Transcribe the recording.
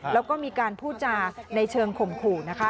แล้วก็มีการพูดจาในเชิงข่มขู่นะคะ